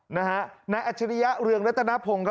นะฮะนักอัจฉริยะเรืองรัตนพงศ์ครับ